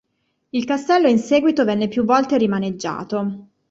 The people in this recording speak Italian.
Il castello in seguito venne più volte rimaneggiato.